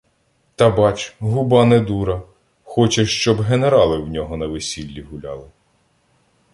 Та бач — губа не дура — хоче, щоб генерали в нього на весіллі гуляли!.